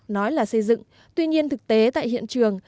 nói là xây dựng tuy nhiên thực tế tại hiện trường